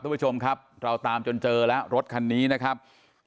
คุณผู้ชมครับเราตามจนเจอแล้วรถคันนี้นะครับ